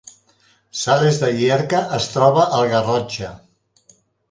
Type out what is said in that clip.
Sales de Llierca es troba al Garrotxa